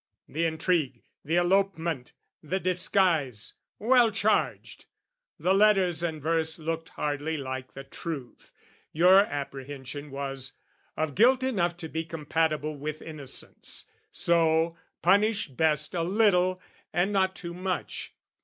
The intrigue, the elopement, the disguise, well charged! The letters and verse looked hardly like the truth. Your apprehension was of guilt enough To be compatible with innocence, So, punished best a little and not too much.